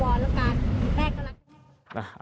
บอกว่าบรรทาโชนมาเขาอ้อนวัลแล้วกัน